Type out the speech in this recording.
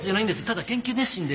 ただ研究熱心で。